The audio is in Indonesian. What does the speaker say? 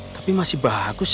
tapi masih bagus